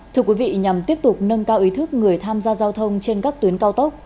thưa quý vị nhằm tiếp tục nâng cao ý thức người tham gia giao thông trên các tuyến cao tốc